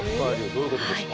どういうことですか？